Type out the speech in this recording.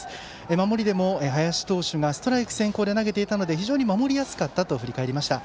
守りでも林投手がストライク先行で投げていたので非常に守りやすかったと振り返りました。